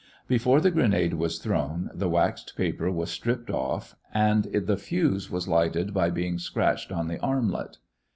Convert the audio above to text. Before the grenade was thrown, the waxed paper was stripped off and the fuse was lighted by being scratched on the armlet.